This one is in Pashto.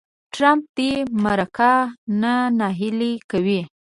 ټرمپ دې مرکه نه نهیلې کوي.